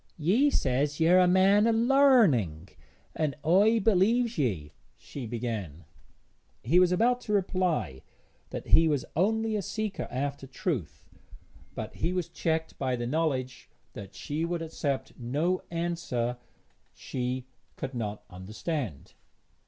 'Ye says yer a man o' larning, an' I b'lieves ye, she began. He was about to reply that he was only a seeker after truth, but he was checked by the knowledge that she would accept no answer she could not understand.